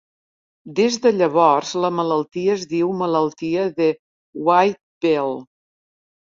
Des de llavors, la malaltia es diu malaltia de Whipple.